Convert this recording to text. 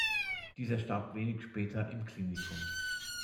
Dieser starb wenig später im Klinikum.